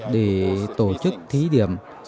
để tổ chức thí điểm